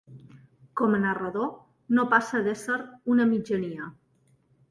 Com a narrador no passa d'ésser una mitjania.